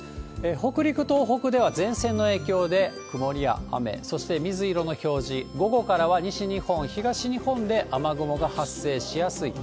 北陸、東北では前線の影響で曇りや雨、そして水色の表示、午後からは西日本、東日本で雨雲が発生しやすい。